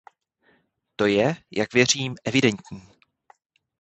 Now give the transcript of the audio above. To je, jak věřím, evidentní.